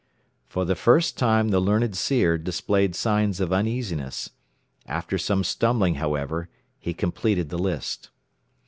For the first time the learned seer displayed signs of uneasiness. After some stumbling, however, he completed the list.